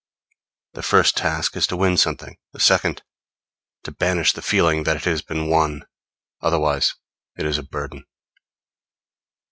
The first task is to win something; the second, to banish the feeling that it has been won; otherwise it is a burden.